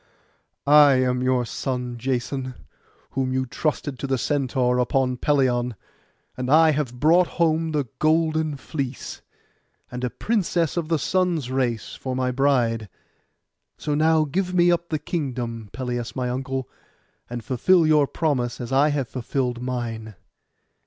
'I am your own son Jason, whom you trusted to the Centaur upon Pelion; and I have brought home the golden fleece, and a princess of the Sun's race for my bride. So now give me up the kingdom, Pelias my uncle, and fulfil your promise as I have fulfilled mine.